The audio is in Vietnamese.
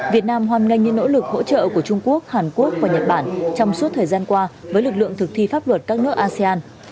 việt nam hoan nghênh những nỗ lực hỗ trợ của trung quốc hàn quốc và nhật bản trong suốt thời gian qua với lực lượng thực thi pháp luật các nước asean